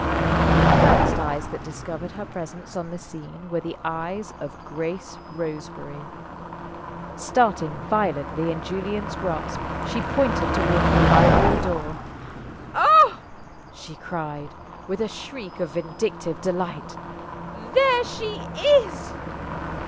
The first eyes that discovered her presence on the scene were the eyes of Grace Roseberry. Starting violently in Julian's grasp, she pointed toward the library door. "Ah!" she cried, with a shriek of vindictive delight. "There she is!"